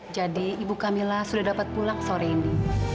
jadi ibu camilla sudah dapat pulang sore ini